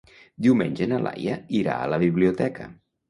Diumenge na Laia irà a la biblioteca.